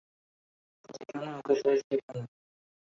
যেখানে ওকে চাই, সেখানে।